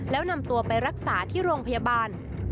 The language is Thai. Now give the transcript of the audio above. แล้วนำตัวไปรักษาที่โรงพยาบาล